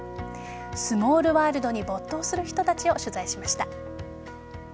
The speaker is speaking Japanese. スモールワールドに没頭する人たちを取材しました。